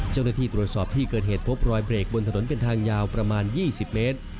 เจ้าหน้าที่ตรวจสอบที่เกิดเหตุพบรอยเบรกบนถนนเป็นทางยาวประมาณ๒๐เมตร